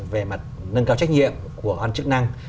về mặt nâng cao trách nhiệm của hoàn chức năng